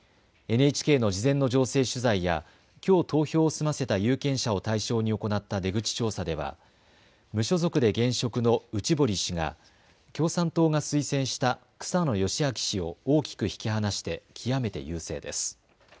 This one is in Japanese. ＮＨＫの事前の情勢取材やきょう投票を済ませた有権者を対象に行った出口調査では無所属で現職の内堀氏が共産党が推薦した草野芳明氏を大きく引き離して極めて優勢です。